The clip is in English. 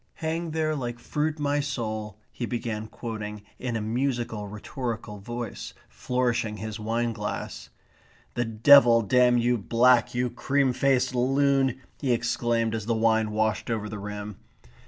'Hang there like fruit my soul,'" he began quoting, in a musical rhetorical voice, flourishing his wine glass. "The devil damn you black, you cream faced loon!" he exclaimed as the wine washed over the rim.